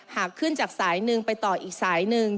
หากขึ้นจากสายหนึ่งไปต่ออีกสายหนึ่ง